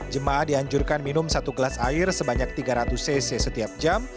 jemaah dianjurkan minum satu gelas air sebanyak tiga ratus cc setiap jam